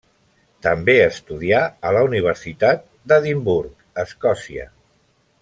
També estudià a la Universitat d'Edimburg, Escòcia.